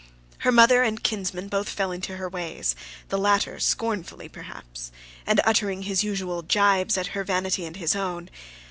Her mother and kinsman both fell into her ways, the latter scornfully perhaps, and uttering his usual gibes at her vanity and his own.